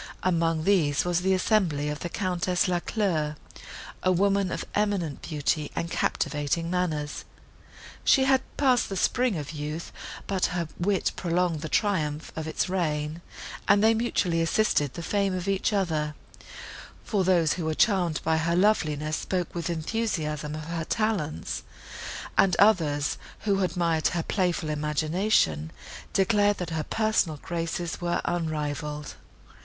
Among these, was the assembly of the Countess Lacleur, a woman of eminent beauty and captivating manners. She had passed the spring of youth, but her wit prolonged the triumph of its reign, and they mutually assisted the fame of each other; for those, who were charmed by her loveliness, spoke with enthusiasm of her talents; and others, who admired her playful imagination, declared, that her personal graces were unrivalled.